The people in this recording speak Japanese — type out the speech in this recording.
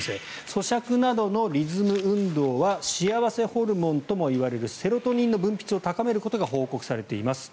そしゃくなどのリズム運動は幸せホルモンともいわれるセロトニンの分泌を高めることが報告されています。